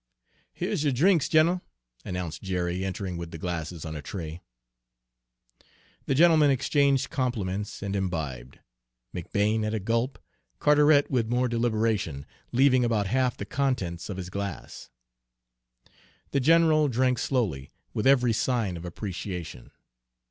"Here's yo' drinks, gin'l," announced Jerry, entering with the glasses on a tray. The gentlemen exchanged compliments and imbibed McBane at a gulp, Carteret with more deliberation, leaving about half the contents of his glass. The general drank slowly, with every sign of appreciation.